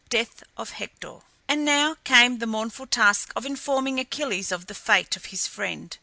DEATH OF HECTOR. And now came the mournful task of informing Achilles of the fate of his friend.